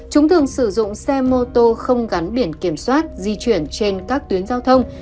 chúng thường sử dụng xe mô tô không gắn biển kiểm soát di chuyển trên các tuyến giao thông